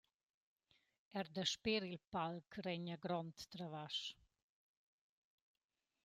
Eir dasper il palc regna grond travasch.